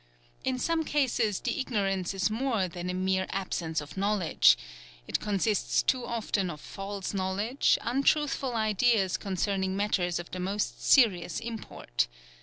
In some cases the ignorance is more than a mere absence of knowledge it consists too often of false knowledge, untruthful ideas concerning matters of the most serious import.